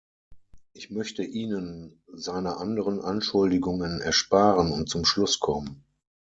Ich möchte Ihnen seine anderen Anschuldigungen ersparen und zum Schluss kommen.